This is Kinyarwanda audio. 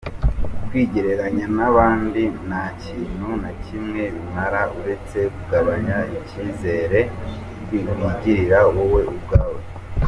Kwigereranya n’abandi nta kintu na kimwe bimara uretse kugabanya icyizere wigirira wowe ubwawe.